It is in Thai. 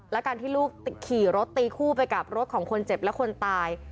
และการที่ลูกขี่รถตีคู่ไปกับรถของคนเจ็บและคนตาย